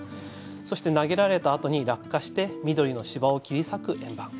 そして投げられたあとに落下して緑の芝を切り裂く円盤。